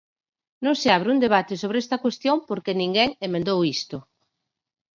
Non se abre un debate sobre esta cuestión porque ninguén emendou isto.